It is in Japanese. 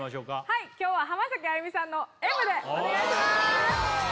はい今日は浜崎あゆみさんの「Ｍ」でお願いしまーす